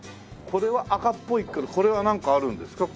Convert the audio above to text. これは赤っぽいけどこれはなんかあるんですか？